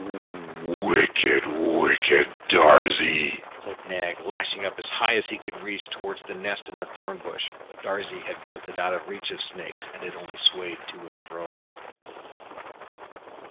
"Wicked, wicked Darzee!" said Nag, lashing up as high as he could reach toward the nest in the thorn bush. But Darzee had built it out of reach of snakes, and it only swayed to and fro.